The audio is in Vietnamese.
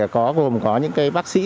có gồm có những cái bác sĩ